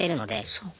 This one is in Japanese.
そっか。